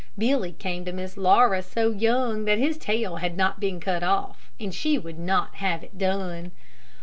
Billy came to Miss Laura so young that his tail had not been cut off, and she would not have it done.